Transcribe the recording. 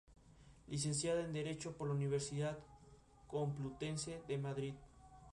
Licenciada en Derecho por la Universidad Complutense de Madrid.